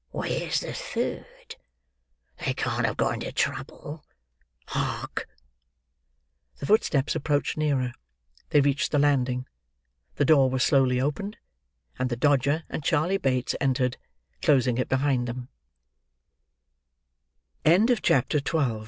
Where's the third? They can't have got into trouble. Hark!" The footsteps approached nearer; they reached the landing. The door was slowly opened; and the Dodger and Charley Bates entered, closing it behind them.